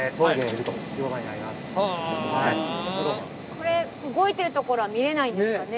これ動いてるところは見れないんですかね。